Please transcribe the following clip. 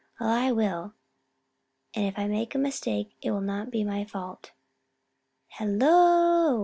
Well, I will, and if I make a mistake it will not be my fault. Hello!